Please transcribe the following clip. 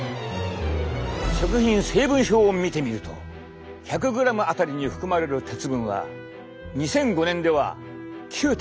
食品成分表を見てみると１００ｇあたりに含まれる鉄分は２００５年では９．４ｍｇ。